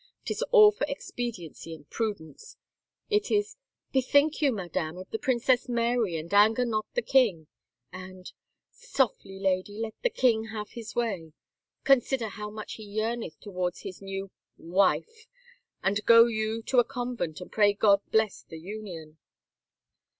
Tis all for expediency and prudence. It is, * Bethink you, Madame, of the Princess Mary and anger not the king,' and, * Softly, lady, let the king have his way. Consider how much he yeameth towards this new — wife — and go you to a convent and pray God bless the union.'